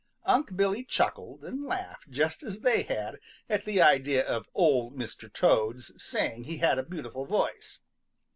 Unc' Billy chuckled and laughed just as they had at the idea of Old Mr. Toad's saying he had a beautiful voice.